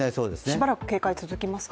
しばらく警戒続きますか？